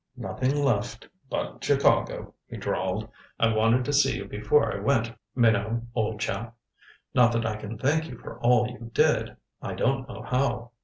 "Nothing left but Chicago," he drawled. "I wanted to see you before I went, Minot, old chap. Not that I can thank you for all you did I don't know how.